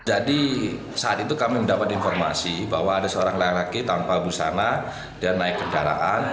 jadi saat itu kami mendapat informasi bahwa ada seorang lelaki tanpa busana dan naik kejarakan